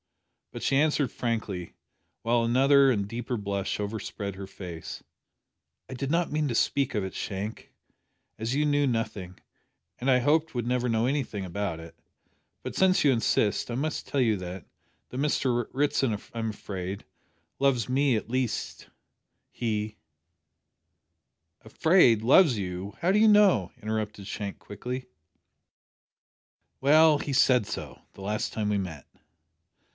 But she answered frankly, while another and a deeper blush overspread her face "I did not mean to speak of it, Shank, as you knew nothing, and I had hoped would never know anything about it, but since you insist, I must tell you that that Mr Ritson, I'm afraid, loves me at least he " "Afraid! loves you! How do you know?" interrupted Shank quickly. "Well, he said so the last time we met."